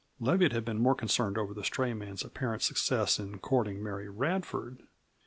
Leviatt had been more concerned over the stray man's apparent success in courting Mary Radford.